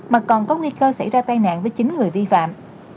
mà còn có nguy cơ xảy ra tai nạn với chín người vi phạm